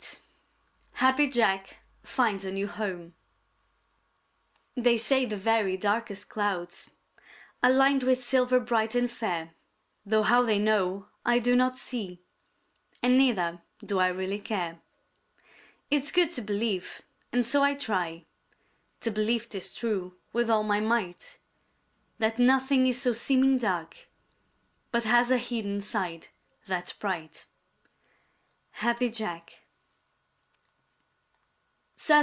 CHAPTER XXVIII HAPPY JACK FINDS A NEW HOME They say the very darkest clouds Are lined with silver bright and fair, Though how they know I do not see, And neither do I really care. It's good to believe, and so I try To believe 'tis true with all my might, That nothing is so seeming dark But has a hidden side that's bright. _Happy Jack.